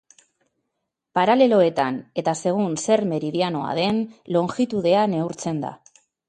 Paraleloetan, eta segun zer meridianoa den, longitudea neurtzen da.